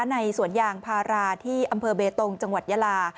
ในสวนยางพาราที่อำเภอเบตงจังหวัดยาลา